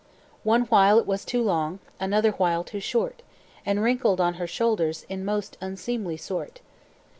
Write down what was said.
"One while it was too long, Another while too short, And wrinkled on her shoulders, In most unseemly sort.